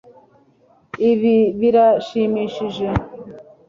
Ibi birashimishije